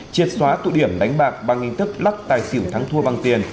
triệt xóa tụ điểm đánh bạc bằng hình thức lắc tài xỉu thắng thua bằng tiền